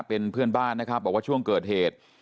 เป็นเพื่อนบ้านนะครับบอกว่าช่วงเกิดเหตุ